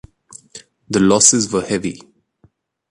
The losses were heavy.